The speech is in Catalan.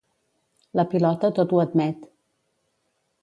La pilota tot ho admet.